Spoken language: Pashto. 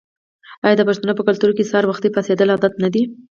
آیا د پښتنو په کلتور کې سهار وختي پاڅیدل عادت نه دی؟